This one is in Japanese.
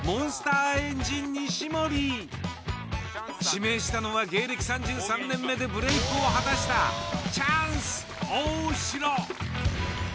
指名したのは芸歴３３年目でブレークを果たしたチャンス大城。